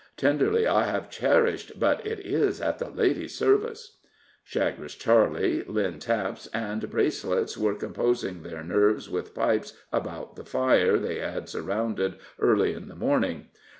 "Tenderly I have cherished, but it is at the lady's service." Chagres Charley, Lynn Taps and Bracelets were composing their nerves with pipes about the fire they had surrounded early in the morning.